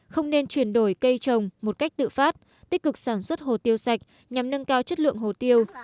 không nên chuyển đổi cây trồng một cách tự phát tích cực sản xuất hồ tiêu sạch nhằm nâng cao chất lượng hồ tiêu